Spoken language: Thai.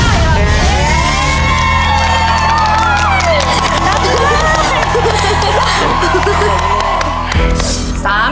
ได้ครับ